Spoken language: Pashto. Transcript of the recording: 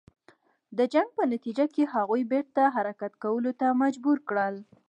د جنګ په نتیجه کې هغوی بیرته حرکت کولو ته مجبور کړل.